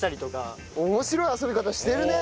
面白い遊び方してるね！